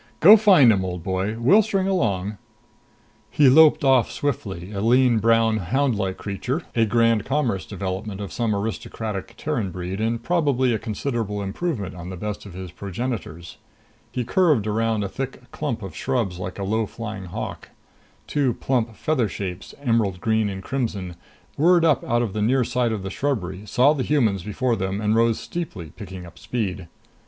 "Go find 'em, old boy! We'll string along." He loped off swiftly, a lean brown houndlike creature, a Grand Commerce development of some aristocratic Terran breed and probably a considerable improvement on the best of his progenitors. He curved around a thick clump of shrubs like a low flying hawk. Two plump feather shapes, emerald green and crimson, whirred up out of the near side of the shrubbery, saw the humans before them and rose steeply, picking up speed.